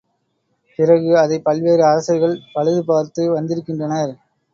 பிறகு அதைப் பல்வேறு அரசர்கள் பழுது பார்த்து வந்திருக்கின்றனர்.